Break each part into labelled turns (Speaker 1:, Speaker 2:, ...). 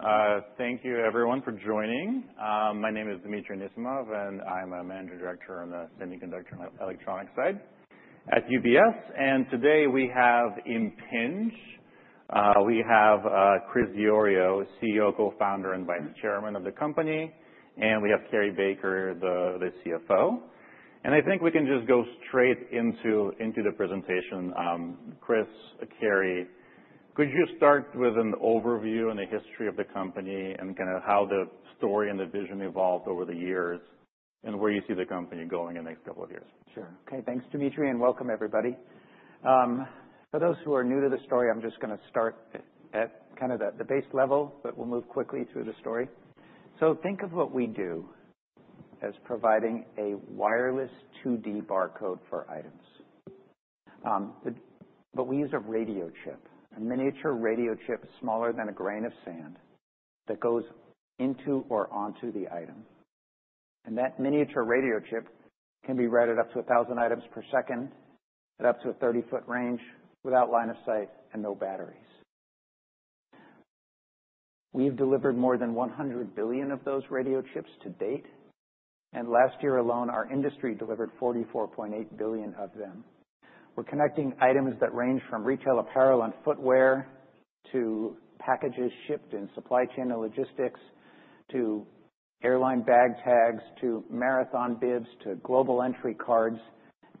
Speaker 1: All right. Thank you, everyone, for joining. My name is Dmitri Anissimov, and I'm a managing director on the semiconductor and electronics side at UBS. And today we have Impinj. We have Chris Diorio, CEO, co-founder, and Vice Chairman of the company. And we have Cary Baker, the CFO. And I think we can just go straight into the presentation. Chris, Cary, could you start with an overview and the history of the company and kind of how the story and the vision evolved over the years and where you see the company going in the next couple of years?
Speaker 2: Sure. Okay. Thanks, Dmitri, and welcome, everybody. For those who are new to the story, I'm just gonna start at kind of the base level, but we'll move quickly through the story. So think of what we do as providing a wireless 2D barcode for items. But we use a radio chip, a miniature radio chip smaller than a grain of sand that goes into or onto the item. And that miniature radio chip can be read at up to 1,000 items per second at up to a 30-foot range without line of sight and no batteries. We've delivered more than 100 billion of those radio chips to date. And last year alone, our industry delivered 44.8 billion of them. We're connecting items that range from retail apparel and footwear to packages shipped in supply chain and logistics to airline bag tags to marathon bibs to global entry cards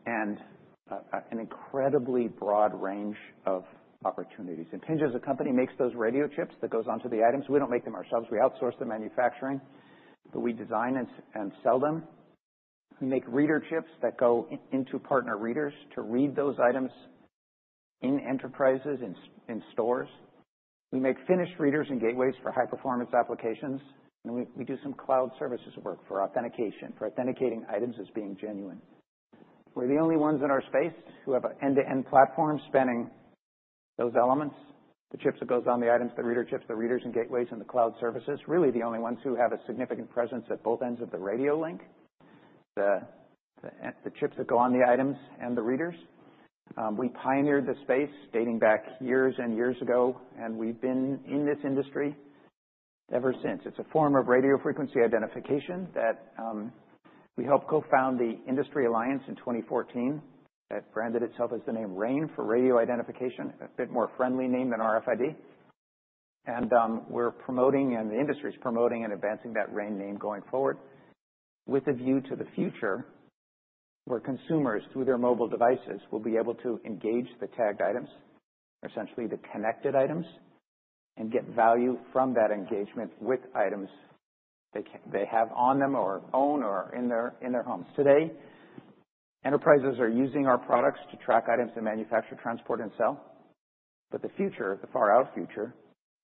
Speaker 2: and an incredibly broad range of opportunities. Impinj, as a company, makes those radio chips that goes onto the items. We don't make them ourselves. We outsource the manufacturing, but we design and sell them. We make reader chips that go into partner readers to read those items in enterprises, in stores. We make finished readers and gateways for high-performance applications. And we do some cloud services work for authentication, for authenticating items as being genuine. We're the only ones in our space who have an end-to-end platform spanning those elements, the chips that goes on the items, the reader chips, the readers and gateways, and the cloud services, really the only ones who have a significant presence at both ends of the radio link, and the chips that go on the items and the readers. We pioneered the space dating back years and years ago, and we've been in this industry ever since. It's a form of radio frequency identification that we helped co-found the RAIN Alliance in 2014 that branded itself as the name RAIN for radio identification, a bit more friendly name than RFID. We're promoting, and the industry's promoting and advancing that RAIN name going forward with a view to the future where consumers, through their mobile devices, will be able to engage the tagged items, essentially the connected items, and get value from that engagement with items they have on them or own or in their homes. Today, enterprises are using our products to track items and manufacture, transport, and sell. But the future, the far-out future,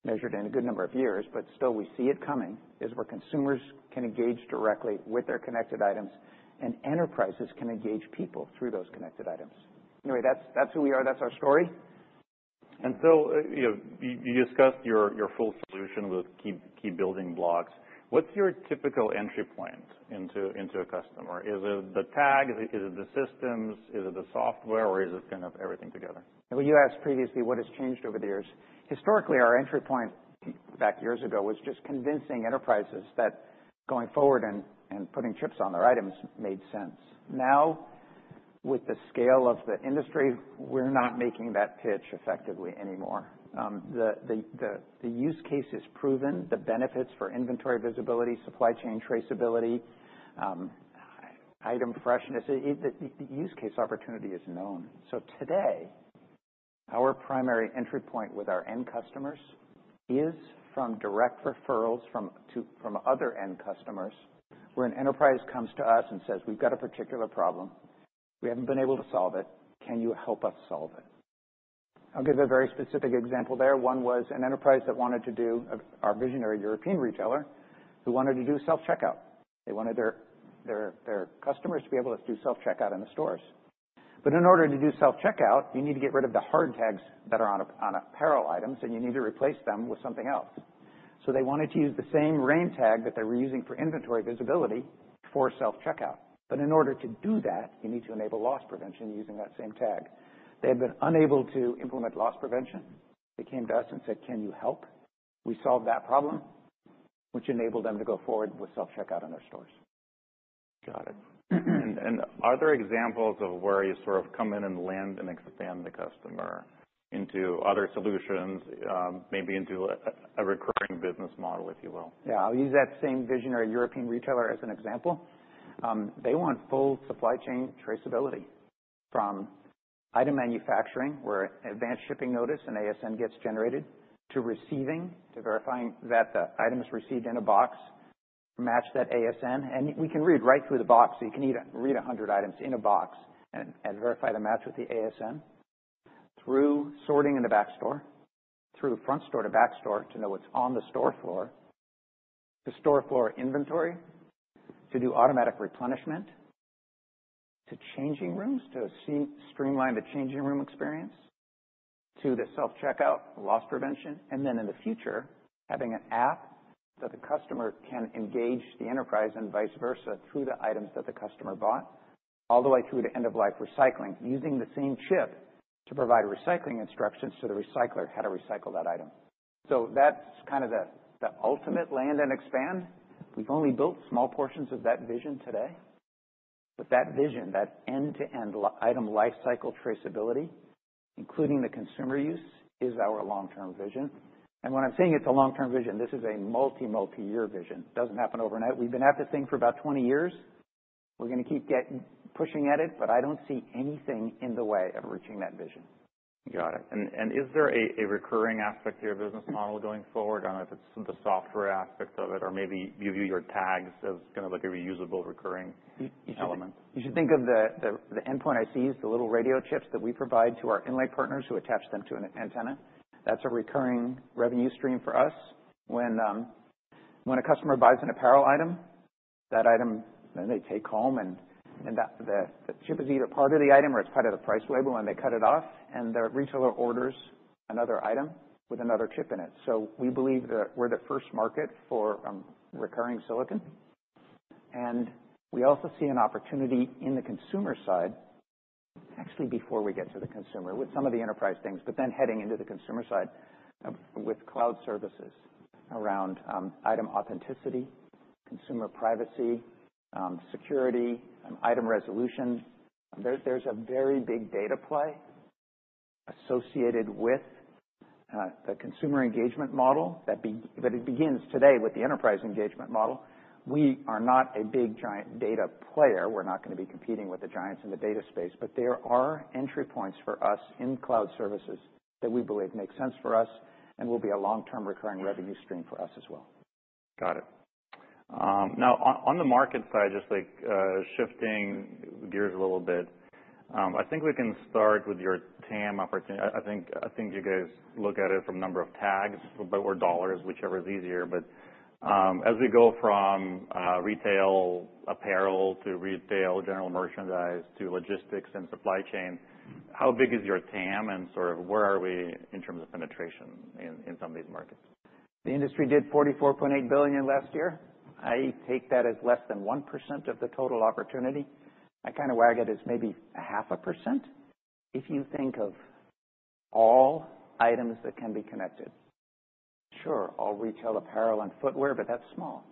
Speaker 2: measured in a good number of years, but still we see it coming, is where consumers can engage directly with their connected items and enterprises can engage people through those connected items. Anyway, that's, that's who we are. That's our story.
Speaker 1: And so, you know, you discussed your full solution with key building blocks. What's your typical entry point into a customer? Is it the tags? Is it the systems? Is it the software? Or is it kind of everything together?
Speaker 2: You asked previously what has changed over the years. Historically, our entry point back years ago was just convincing enterprises that going forward and putting chips on their items made sense. Now, with the scale of the industry, we're not making that pitch effectively anymore. The use case is proven, the benefits for inventory visibility, supply chain traceability, item freshness, the use case opportunity is known. So today, our primary entry point with our end customers is from direct referrals from other end customers where an enterprise comes to us and says, "We've got a particular problem. We haven't been able to solve it. Can you help us solve it?" I'll give a very specific example there. One was an enterprise that wanted to do our visionary European retailer who wanted to do self-checkout. They wanted their customers to be able to do self-checkout in the stores. But in order to do self-checkout, you need to get rid of the hard tags that are on apparel items, and you need to replace them with something else. So they wanted to use the same RAIN tag that they were using for inventory visibility for self-checkout. But in order to do that, you need to enable loss prevention using that same tag. They had been unable to implement loss prevention. They came to us and said, "Can you help?" We solved that problem, which enabled them to go forward with self-checkout in their stores.
Speaker 1: Got it. And are there examples of where you sort of come in and land and expand the customer into other solutions, maybe into a recurring business model, if you will?
Speaker 2: Yeah. I'll use that same visionary European retailer as an example. They want full supply chain traceability from item manufacturing where Advanced Shipping Notice and ASN gets generated to receiving, to verifying that the item is received in a box, match that ASN. We can read right through the box. You can either read 100 items in a box and verify the match with the ASN through sorting in the back store, through front store to back store to know what's on the store floor, to store floor inventory, to do automatic replenishment, to changing rooms to streamline the changing room experience, to the self-checkout loss prevention. And then in the future, having an app that the customer can engage the enterprise and vice versa through the items that the customer bought all the way through to end-of-life recycling using the same chip to provide recycling instructions to the recycler how to recycle that item. So that's kind of the ultimate land and expand. We've only built small portions of that vision today. But that vision, that end-to-end item life cycle traceability, including the consumer use, is our long-term vision. And when I'm saying it's a long-term vision, this is a multi-year vision. It doesn't happen overnight. We've been at this thing for about 20 years. We're gonna keep pushing at it, but I don't see anything in the way of reaching that vision.
Speaker 1: Got it. And is there a recurring aspect to your business model going forward? I don't know if it's the software aspect of it or maybe you view your tags as kind of like a reusable recurring element.
Speaker 2: You should think of the Endpoint ICs, the little radio chips that we provide to our inlay partners who attach them to an antenna. That's a recurring revenue stream for us. When a customer buys an apparel item, that item then they take home and that the chip is either part of the item or it's part of the price label when they cut it off, and the retailer orders another item with another chip in it. So we believe that we're the first market for recurring silicon. And we also see an opportunity in the consumer side, actually before we get to the consumer with some of the enterprise things, but then heading into the consumer side with cloud services around item authenticity, consumer privacy, security, item resolution. There's a very big data play associated with the consumer engagement model that'll be, but it begins today with the enterprise engagement model. We are not a big giant data player. We're not gonna be competing with the giants in the data space, but there are entry points for us in cloud services that we believe make sense for us and will be a long-term recurring revenue stream for us as well.
Speaker 1: Got it. Now, on the market side, just like shifting gears a little bit, I think we can start with your TAM opportunity. I think you guys look at it from number of tags or dollars, whichever's easier. But as we go from retail apparel to retail general merchandise to logistics and supply chain, how big is your TAM and sort of where are we in terms of penetration in some of these markets?
Speaker 2: The industry did $44.8 billion last year. I take that as less than 1% of the total opportunity. I kind of wag it as maybe 0.5% if you think of all items that can be connected. Sure, all retail apparel and footwear, but that's small.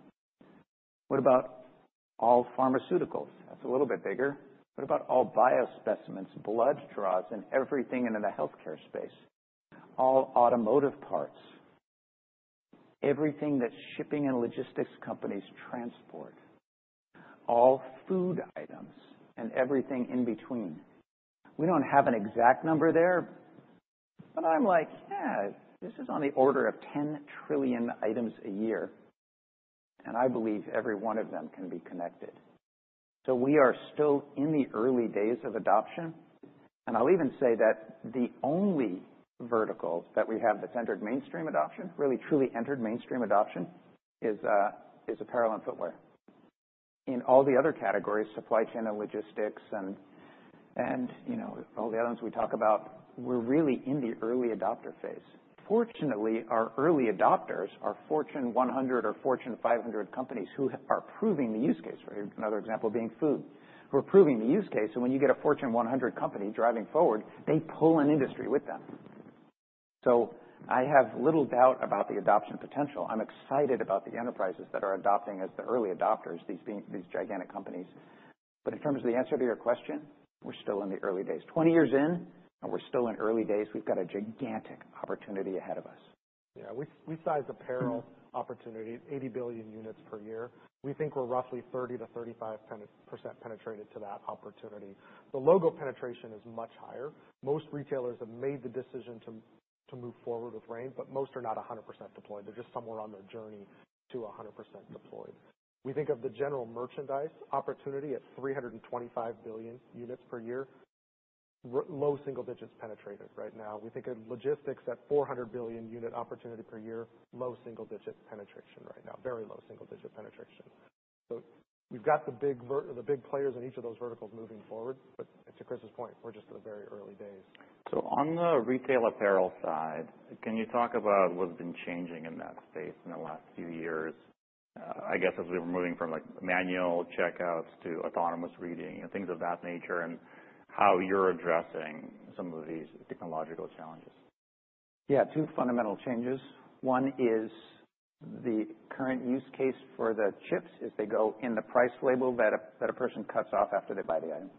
Speaker 2: What about all pharmaceuticals? That's a little bit bigger. What about all biospecimens, blood draws, and everything in the healthcare space? All automotive parts, everything that shipping and logistics companies transport, all food items, and everything in between? We don't have an exact number there, but I'm like, "Yeah, this is on the order of 10 trillion items a year." And I believe every one of them can be connected. So we are still in the early days of adoption. I'll even say that the only vertical that we have that's entered mainstream adoption, really truly entered mainstream adoption, is apparel and footwear. In all the other categories, supply chain and logistics and, you know, all the items we talk about, we're really in the early adopter phase. Fortunately, our early adopters, our Fortune 100 or Fortune 500 companies who are proving the use case, right? Another example being food. We're proving the use case. And when you get a Fortune 100 company driving forward, they pull an industry with them. So I have little doubt about the adoption potential. I'm excited about the enterprises that are adopting as the early adopters, these gigantic companies. But in terms of the answer to your question, we're still in the early days. 20 years in, and we're still in early days. We've got a gigantic opportunity ahead of us.
Speaker 3: Yeah. We size apparel opportunity at 80 billion units per year. We think we're roughly 30%-35% penetrated to that opportunity. The logo penetration is much higher. Most retailers have made the decision to move forward with RAIN, but most are not 100% deployed. They're just somewhere on their journey to 100% deployed. We think of the general merchandise opportunity at 325 billion units per year, low single digits penetrated right now. We think of logistics at 400 billion unit opportunity per year, low single digit penetration right now, very low single digit penetration. So we've got the big players in each of those verticals moving forward, but to Chris's point, we're just at the very early days.
Speaker 1: On the retail apparel side, can you talk about what's been changing in that space in the last few years, I guess as we were moving from, like, manual checkouts to autonomous reading and things of that nature and how you're addressing some of these technological challenges?
Speaker 2: Yeah. Two fundamental changes. One is the current use case for the chips is they go in the price label that a person cuts off after they buy the item.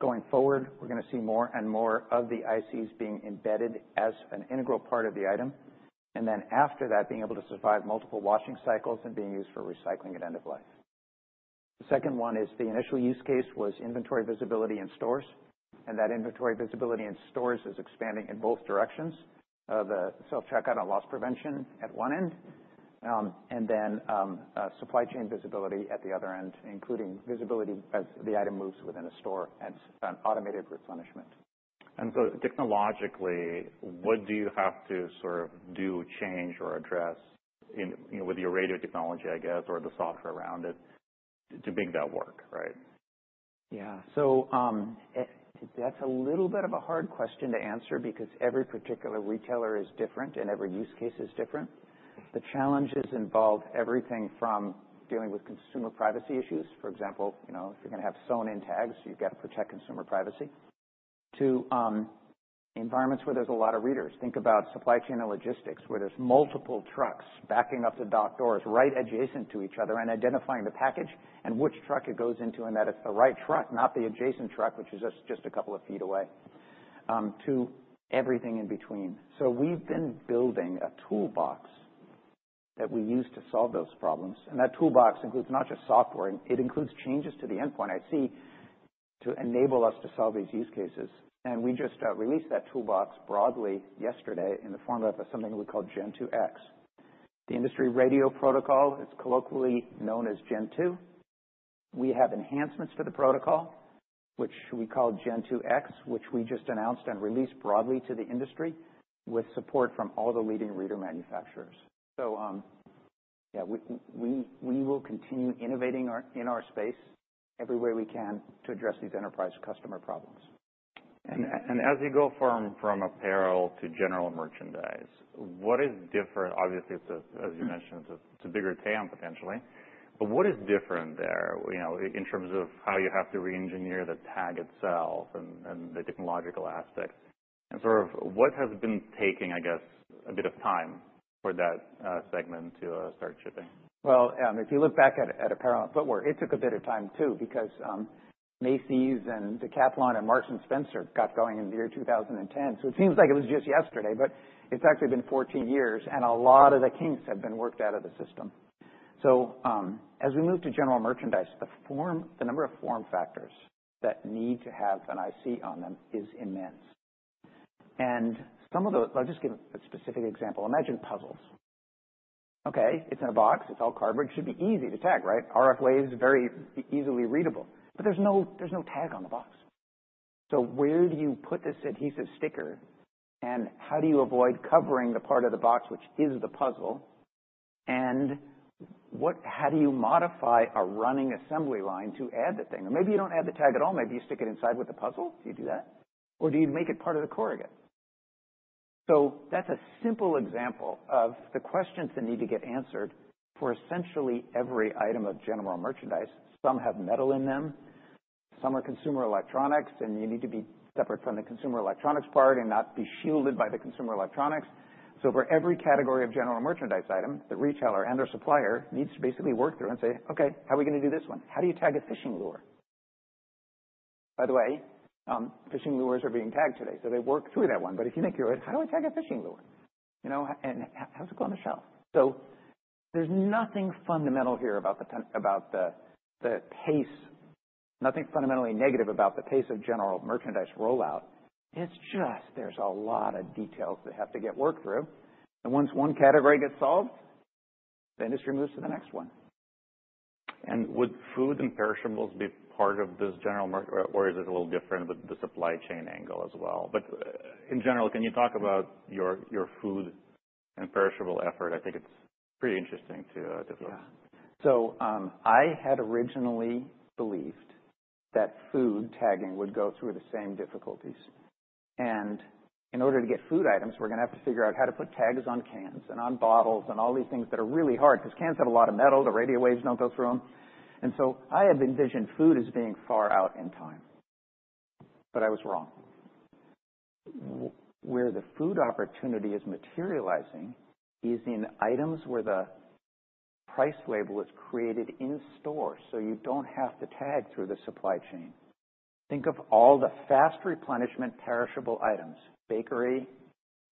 Speaker 2: Going forward, we're gonna see more and more of the ICs being embedded as an integral part of the item and then after that, being able to survive multiple washing cycles and being used for recycling at end of life. The second one is the initial use case was inventory visibility in stores, and that inventory visibility in stores is expanding in both directions, the self-checkout and loss prevention at one end, and then, supply chain visibility at the other end, including visibility as the item moves within a store and automated replenishment.
Speaker 1: Technologically, what do you have to sort of do, change or address in, you know, with your radio technology, I guess, or the software around it to make that work, right?
Speaker 2: Yeah. So, that's a little bit of a hard question to answer because every particular retailer is different and every use case is different. The challenges involve everything from dealing with consumer privacy issues. For example, you know, if you're gonna have sewn-in tags, you've gotta protect consumer privacy to environments where there's a lot of readers. Think about supply chain and logistics where there's multiple trucks backing up the dock doors right adjacent to each other and identifying the package and which truck it goes into and that it's the right truck, not the adjacent truck, which is just a couple of feet away, to everything in between. So we've been building a toolbox that we use to solve those problems. And that toolbox includes not just software. It includes changes to the endpoint IC to enable us to solve these use cases. We just released that toolbox broadly yesterday in the form of something we call Gen2X. The industry radio protocol, it's colloquially known as Gen2. We have enhancements to the protocol, which we call Gen2X, which we just announced and released broadly to the industry with support from all the leading reader manufacturers. So, yeah, we will continue innovating in our space every way we can to address these enterprise customer problems.
Speaker 1: And as you go from apparel to general merchandise, what is different? Obviously, as you mentioned, it's a bigger TAM potentially. But what is different there, you know, in terms of how you have to re-engineer the tag itself and the technological aspects? And sort of what has been taking, I guess, a bit of time for that segment to start shipping?
Speaker 2: If you look back at apparel and footwear, it took a bit of time too because Macy's and Decathlon and Marks & Spencer got going in the year 2010. It seems like it was just yesterday, but it's actually been 14 years, and a lot of the kinks have been worked out of the system. As we move to general merchandise, the form, the number of form factors that need to have an IC on them is immense. And some of them, I'll just give a specific example. Imagine puzzles. Okay. It's in a box. It's all cardboard. It should be easy to tag, right? RFID is very easily readable, but there's no tag on the box. Where do you put this adhesive sticker, and how do you avoid covering the part of the box which is the puzzle? How do you modify a running assembly line to add the thing? Or maybe you don't add the tag at all. Maybe you stick it inside with the puzzle. Do you do that? Or do you make it part of the core again? So that's a simple example of the questions that need to get answered for essentially every item of general merchandise. Some have metal in them. Some are consumer electronics, and you need to be separate from the consumer electronics part and not be shielded by the consumer electronics. So for every category of general merchandise item, the retailer and their supplier needs to basically work through and say, "Okay. How are we gonna do this one? How do you tag a fishing lure?" By the way, fishing lures are being tagged today, so they work through that one. But if you think you're like, "How do I tag a fishing lure?" You know, and how's it go on the shelf? So there's nothing fundamental here about the pain about the pace. Nothing fundamentally negative about the pace of general merchandise rollout. It's just there's a lot of details that have to get worked through, and once one category gets solved, the industry moves to the next one.
Speaker 1: Would food and perishables be part of this general merch or, or is it a little different with the supply chain angle as well? But in general, can you talk about your, your food and perishable effort? I think it's pretty interesting to discuss.
Speaker 2: Yeah, so I had originally believed that food tagging would go through the same difficulties, and in order to get food items, we're gonna have to figure out how to put tags on cans and on bottles and all these things that are really hard 'cause cans have a lot of metal. The radio waves don't go through them, and so I had envisioned food as being far out in time, but I was wrong. Where the food opportunity is materializing is in items where the price label is created in store so you don't have to tag through the supply chain. Think of all the fast replenishment perishable items: bakery,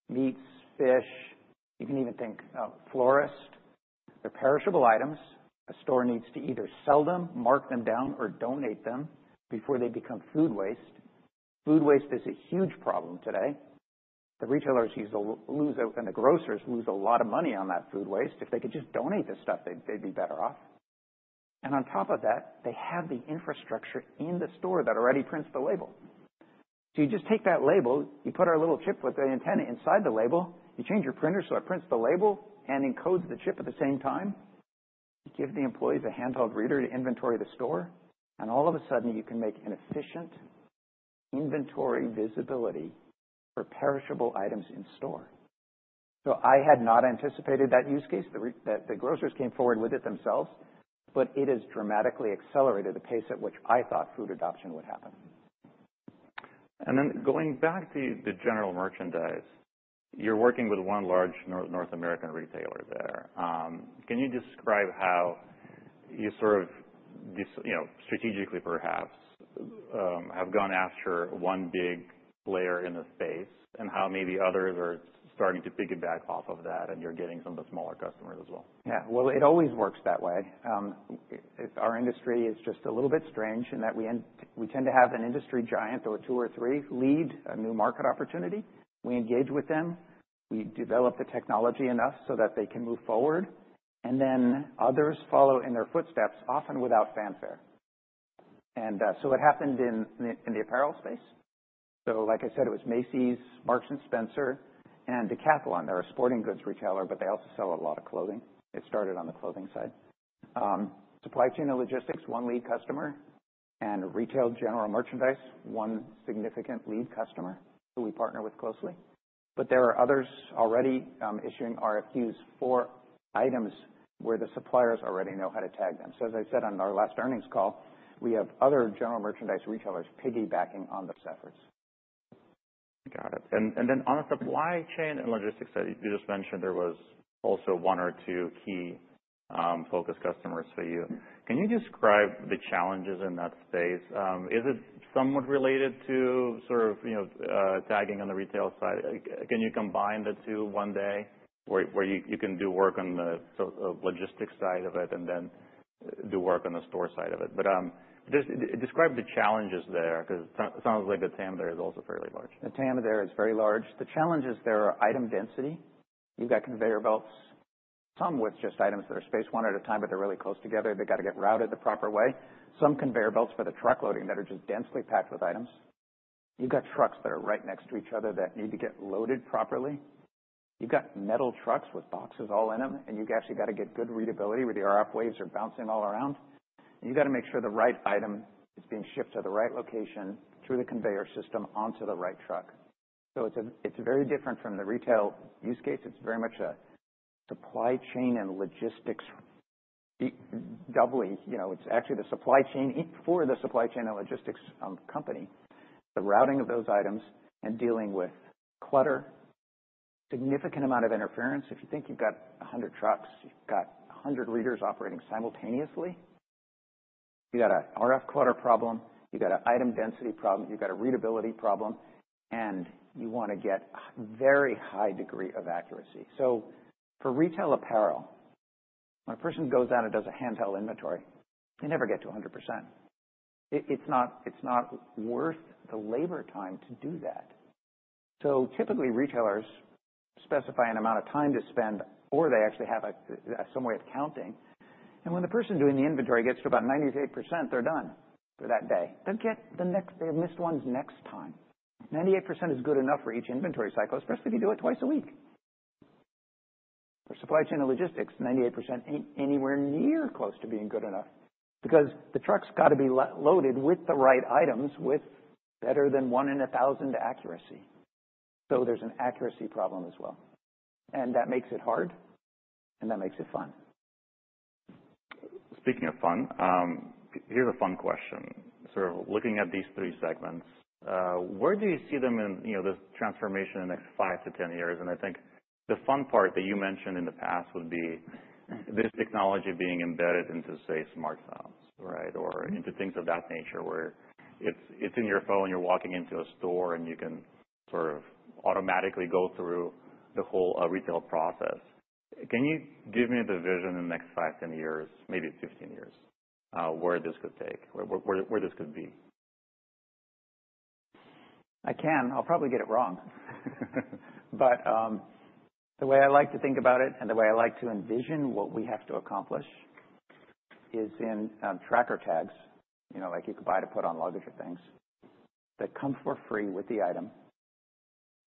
Speaker 2: meats, fish. You can even think, florist. They're perishable items. A store needs to either sell them, mark them down, or donate them before they become food waste. Food waste is a huge problem today. The retailers lose and the grocers lose a lot of money on that food waste. If they could just donate this stuff, they'd be better off. And on top of that, they have the infrastructure in the store that already prints the label. So you just take that label, you put our little chip with the antenna inside the label, you change your printer so it prints the label and encodes the chip at the same time, give the employees a handheld reader to inventory the store, and all of a sudden you can make an efficient inventory visibility for perishable items in store. So I had not anticipated that use case. The fact that the grocers came forward with it themselves, but it has dramatically accelerated the pace at which I thought food adoption would happen.
Speaker 1: And then going back to the general merchandise, you're working with one large North American retailer there. Can you describe how you sort of, you know, strategically perhaps, have gone after one big player in the space and how maybe others are starting to piggyback off of that and you're getting some of the smaller customers as well?
Speaker 2: Yeah. Well, it always works that way. Our industry is just a little bit strange in that we tend to have an industry giant or two or three lead a new market opportunity. We engage with them. We develop the technology enough so that they can move forward, and then others follow in their footsteps, often without fanfare. And, so it happened in the apparel space. So like I said, it was Macy's, Marks & Spencer, and Decathlon. They're a sporting goods retailer, but they also sell a lot of clothing. It started on the clothing side. Supply chain and logistics, one lead customer, and retail general merchandise, one significant lead customer who we partner with closely. But there are others already, issuing RFQs for items where the suppliers already know how to tag them. As I said on our last earnings call, we have other general merchandise retailers piggybacking on those efforts.
Speaker 1: Got it. Then on the supply chain and logistics that you just mentioned, there was also one or two key focus customers for you. Can you describe the challenges in that space? Is it somewhat related to sort of, you know, tagging on the retail side? Can you combine the two one day where you can do work on the logistics side of it and then do work on the store side of it? Just describe the challenges there 'cause it sounds like the TAM there is also fairly large.
Speaker 2: The TAM there is very large. The challenges there are item density. You've got conveyor belts, some with just items that are spaced one at a time, but they're really close together. They've gotta get routed the proper way. Some conveyor belts for the truck loading that are just densely packed with items. You've got trucks that are right next to each other that need to get loaded properly. You've got metal trucks with boxes all in them, and you've actually gotta get good readability where the RF wave is bouncing all around. You gotta make sure the right item is being shipped to the right location through the conveyor system onto the right truck. It's very different from the retail use case. It's very much a supply chain and logistics doubly, you know, it's actually the supply chain for the supply chain and logistics company, the routing of those items and dealing with clutter, significant amount of interference. If you think you've got 100 trucks, you've got 100 readers operating simultaneously. You got a RF clutter problem. You got an item density problem. You got a readability problem, and you wanna get a very high degree of accuracy. So for retail apparel, when a person goes out and does a handheld inventory, they never get to 100%. It's not worth the labor time to do that. So typically, retailers specify an amount of time to spend or they actually have some way of counting, and when the person doing the inventory gets to about 98%, they're done for that day. They'll get the next they've missed ones next time. 98% is good enough for each inventory cycle, especially if you do it twice a week. For supply chain and logistics, 98% ain't anywhere near close to being good enough because the truck's gotta be loaded with the right items with better than one in a thousand accuracy. So there's an accuracy problem as well. And that makes it hard, and that makes it fun.
Speaker 1: Speaking of fun, here's a fun question. Sort of looking at these three segments, where do you see them in, you know, this transformation in the next five to 10 years? And I think the fun part that you mentioned in the past would be this technology being embedded into, say, smartphones, right, or into things of that nature where it's in your phone, you're walking into a store, and you can sort of automatically go through the whole retail process. Can you give me the vision in the next five, 10 years, maybe 15 years, where this could take, where this could be?
Speaker 2: I can. I'll probably get it wrong, but the way I like to think about it and the way I like to envision what we have to accomplish is in tracker tags, you know, like you could buy to put on luggage or things that come for free with the item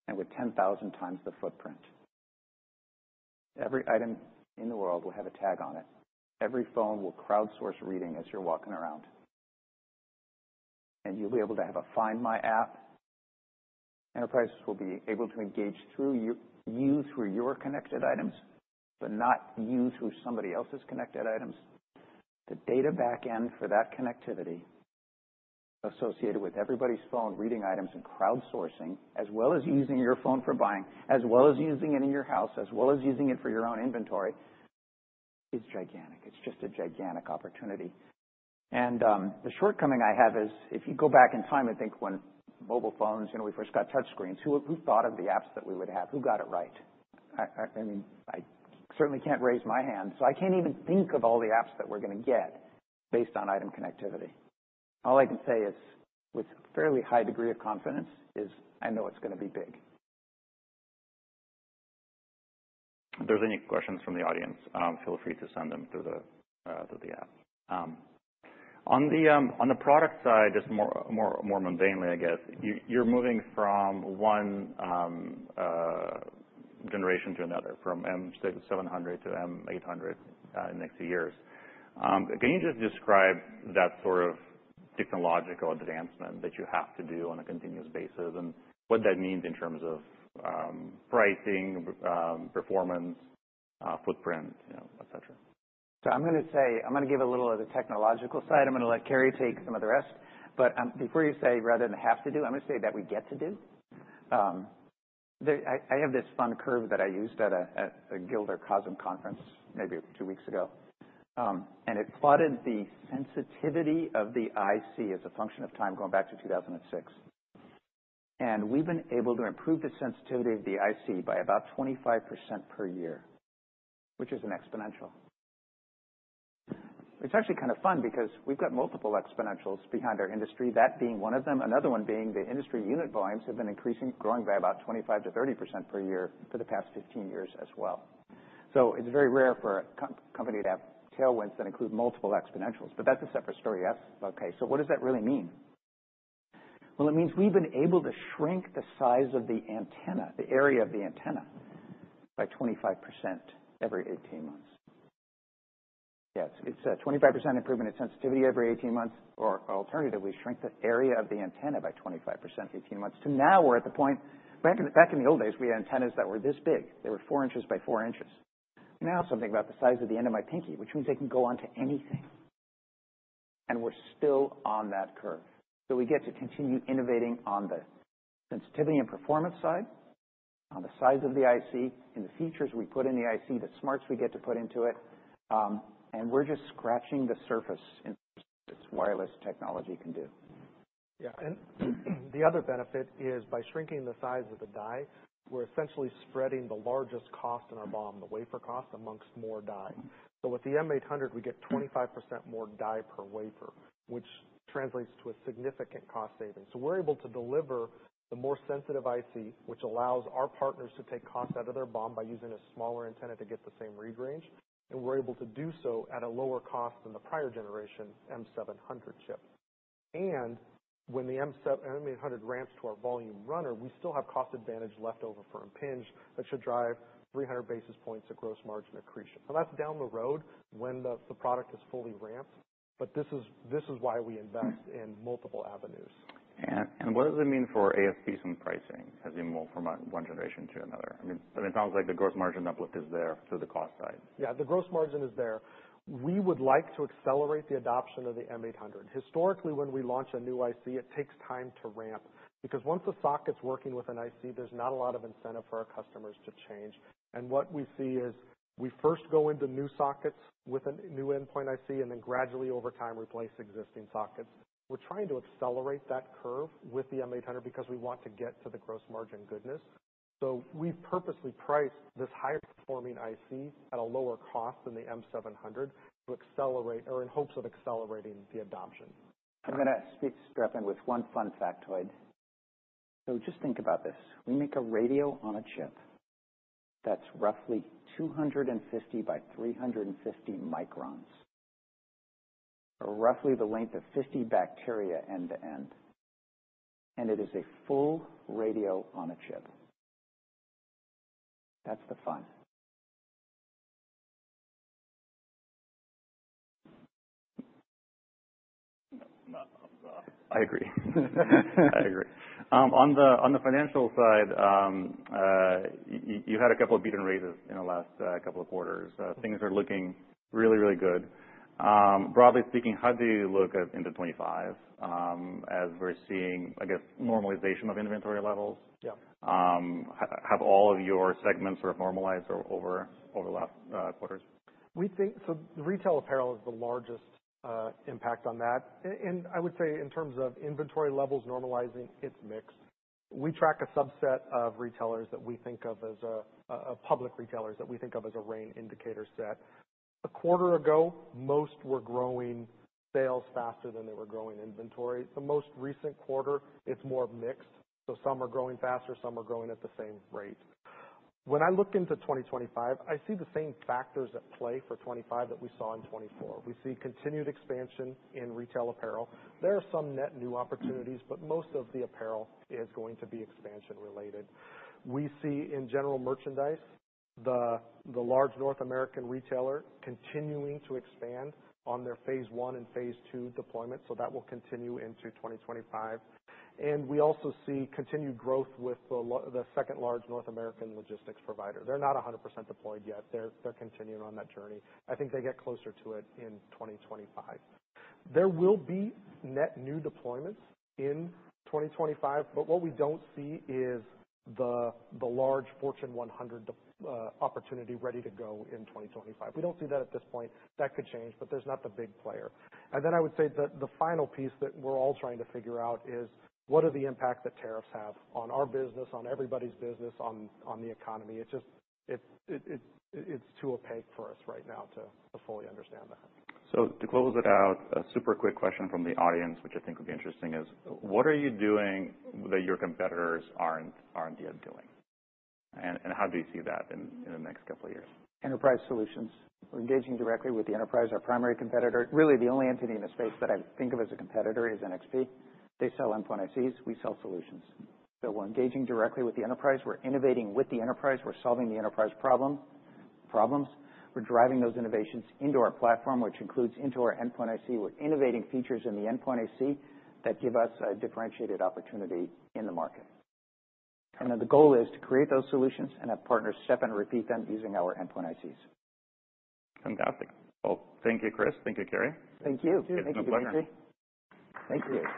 Speaker 2: and with 10,000 times the footprint. Every item in the world will have a tag on it. Every phone will crowdsource reading as you're walking around, and you'll be able to have a Find My app. Enterprises will be able to engage through you, you through your connected items, but not you through somebody else's connected items. The data backend for that connectivity associated with everybody's phone reading items and crowdsourcing, as well as using your phone for buying, as well as using it in your house, as well as using it for your own inventory is gigantic. It's just a gigantic opportunity. And, the shortcoming I have is if you go back in time and think when mobile phones, you know, we first got touchscreens, who thought of the apps that we would have? Who got it right? I mean, I certainly can't raise my hand, so I can't even think of all the apps that we're gonna get based on item connectivity. All I can say is with a fairly high degree of confidence is I know it's gonna be big.
Speaker 1: If there's any questions from the audience, feel free to send them through the app. On the product side, just more mundanely, I guess, you're moving from one generation to another, from M700 to M800, in the next few years. Can you just describe that sort of technological advancement that you have to do on a continuous basis and what that means in terms of pricing, performance, footprint, you know, etc.?
Speaker 2: I'm gonna give a little of the technological side. I'm gonna let Cary take some of the rest. But before you say rather than have to do, I'm gonna say that we get to do. There, I have this fun curve that I used at a Gilder Telecosm Conference maybe two weeks ago. And it plotted the sensitivity of the IC as a function of time going back to 2006. And we've been able to improve the sensitivity of the IC by about 25% per year, which is an exponential. It's actually kind of fun because we've got multiple exponentials behind our industry, that being one of them. Another one being the industry unit volumes have been increasing, growing by about 25%-30% per year for the past 15 years as well. It's very rare for a company to have tailwinds that include multiple exponentials, but that's a separate story. Yes. Okay. So what does that really mean? Well, it means we've been able to shrink the size of the antenna, the area of the antenna by 25% every 18 months. Yeah. It's a 25% improvement in sensitivity every 18 months or alternatively shrink the area of the antenna by 25% every 18 months. So now we're at the point. Back in the old days, we had antennas that were this big. They were 4 inches by 4 inches. Now something about the size of the end of my pinky, which means they can go onto anything. And we're still on that curve. So we get to continue innovating on the sensitivity and performance side, on the size of the IC, in the features we put in the IC, the smarts we get to put into it, and we're just scratching the surface in terms of what its wireless technology can do.
Speaker 3: Yeah. And the other benefit is by shrinking the size of the die, we're essentially spreading the largest cost in our BOM, the wafer cost, among more die. So with the M800, we get 25% more die per wafer, which translates to a significant cost saving. So we're able to deliver the more sensitive IC, which allows our partners to take costs out of their BOM by using a smaller antenna to get the same read range. And we're able to do so at a lower cost than the prior generation M700 chip. And when the M800 ramps to our volume runner, we still have cost advantage left over for Impinj that should drive 300 basis points of gross margin accretion. So that's down the road when the product is fully ramped. But this is why we invest in multiple avenues.
Speaker 1: What does it mean for ASPs and pricing as they move from one generation to another? I mean, it sounds like the gross margin uplift is there through the cost side.
Speaker 3: Yeah. The gross margin is there. We would like to accelerate the adoption of the M800. Historically, when we launch a new IC, it takes time to ramp because once a socket's working with an IC, there's not a lot of incentive for our customers to change, and what we see is we first go into new sockets with a new endpoint IC and then gradually over time replace existing sockets. We're trying to accelerate that curve with the M800 because we want to get to the gross margin goodness, so we've purposely priced this higher performing IC at a lower cost than the M700 to accelerate or in hopes of accelerating the adoption.
Speaker 2: I'm gonna step in with one fun factoid. So just think about this. We make a radio on a chip that's roughly 250 by 350 microns, roughly the length of 50 bacteria end to end, and it is a full radio on a chip. That's the fun.
Speaker 1: I agree. I agree. On the financial side, you had a couple of beat and raises in the last couple of quarters. Things are looking really, really good. Broadly speaking, how do you look at into 2025, as we're seeing, I guess, normalization of inventory levels?
Speaker 3: Yeah.
Speaker 1: Have all of your segments sort of normalized over the last quarters?
Speaker 3: We think so. The retail apparel is the largest impact on that, and I would say in terms of inventory levels normalizing, it's mixed. We track a subset of retailers that we think of as public retailers that we think of as a RAIN indicator set. A quarter ago, most were growing sales faster than they were growing inventory. The most recent quarter, it's more mixed, so some are growing faster, some are growing at the same rate. When I look into 2025, I see the same factors at play for 2025 that we saw in 2024. We see continued expansion in retail apparel. There are some net new opportunities, but most of the apparel is going to be expansion related. We see in general merchandise the large North American retailer continuing to expand on their phase one and phase two deployment. So that will continue into 2025. And we also see continued growth with the second large North American logistics provider. They're not 100% deployed yet. They're continuing on that journey. I think they get closer to it in 2025. There will be net new deployments in 2025, but what we don't see is the large Fortune 100 opportunity ready to go in 2025. We don't see that at this point. That could change, but there's not the big player. And then I would say the final piece that we're all trying to figure out is what are the impacts that tariffs have on our business, on everybody's business, on the economy? It's too opaque for us right now to fully understand that.
Speaker 1: To close it out, a super quick question from the audience, which I think would be interesting is what are you doing that your competitors aren't yet doing? And how do you see that in the next couple of years?
Speaker 2: Enterprise Solutions. We're engaging directly with the enterprise, our primary competitor. Really, the only entity in the space that I think of as a competitor is NXP. They sell endpoint ICs. We sell solutions, so we're engaging directly with the enterprise. We're innovating with the enterprise. We're solving the enterprise problem, problems. We're driving those innovations into our platform, which includes into our endpoint IC. We're innovating features in the endpoint IC that give us a differentiated opportunity in the market, and then the goal is to create those solutions and have partners step in and repeat them using our endpoint ICs.
Speaker 1: Fantastic. Well, thank you, Chris. Thank you, Cary.
Speaker 2: Thank you.
Speaker 1: Thank you.
Speaker 2: Thank you, Dmitri. Thank you.